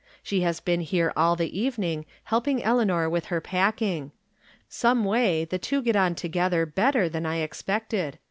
She has been here all the evening helping Eleanor with her packing. Someway the two get on together better than I expected.